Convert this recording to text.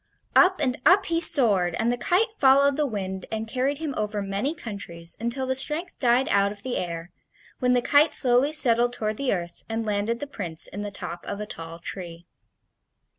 Up and up he soared, and the kite followed the wind and carried him over many countries until the strength died out of the air, when the kite slowly settled toward the earth and landed the Prince in the top of a tall tree.